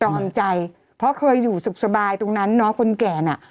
อมใจเพราะเคยอยู่สุขสบายตรงนั้นเนาะคนแก่น่ะ